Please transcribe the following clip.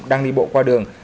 đang đi bộ qua đường